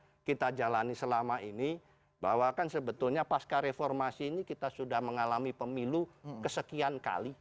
yang kita jalani selama ini bahwa kan sebetulnya pasca reformasi ini kita sudah mengalami pemilu kesekian kali